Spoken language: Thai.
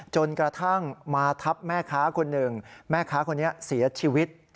จนกระทั่งมาทับแม่ค้าคนหนึ่งแม่ค้าคนนี้เสียชีวิต